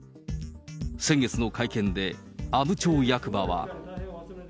先月の会見で、阿武町役場は。